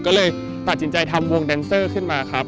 ก็เลยตัดสินใจทำวงแดนเซอร์ขึ้นมาครับ